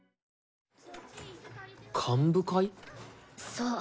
そう。